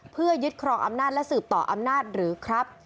เพื่อยึดครองอำนาจและสืบต่ออำนาจหรือครับ